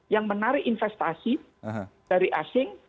yang menarik investasi dari asing